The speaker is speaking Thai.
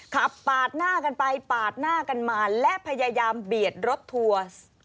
ขับปาดหน้ากันไปปาดหน้ากันมาและพยายามเบียดรถทัวร์